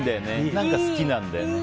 何か好きなんだよね。